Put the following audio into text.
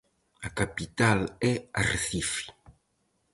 A capital é Arrecife.